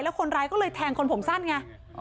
คนร้ายก็เลยแทงคนผมสั้นไง